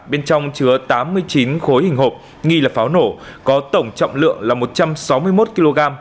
bên trong chứa tám mươi chín khối hình hộp nghi là pháo nổ có tổng trọng lượng là một trăm sáu mươi một kg